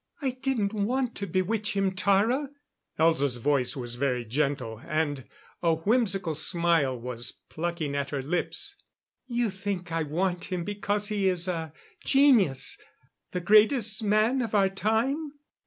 "I didn't want to bewitch him, Tara." Elza's voice was very gentle; and a whimsical smile was plucking at her lips. "You think I want him because he is a genius the greatest man of our time?"